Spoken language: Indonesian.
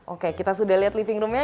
oke kita sudah lihat living roomnya